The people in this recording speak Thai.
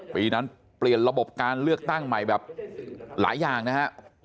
ปีนั้นเปลี่ยนระบบการเลือกตั้งใหม่แบบหลายอย่างนะฮะ